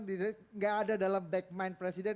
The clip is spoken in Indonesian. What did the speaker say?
tidak ada dalam back mind presiden